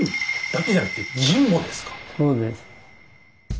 そうです。